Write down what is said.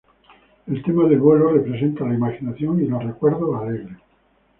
El tema del vuelo representa la imaginación y los recuerdos alegres.